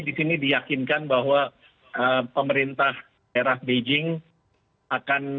disini diakinkan bahwa pemerintah daerah beijing akan